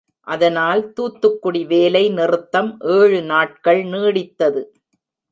அதனால் தூத்துக்குடி வேலை நிறுத்தம் ஏழு நாட்கள் நீடித்தது.